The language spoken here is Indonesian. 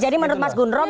jadi menurut mas gundrom